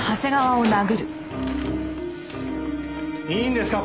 いいんですか？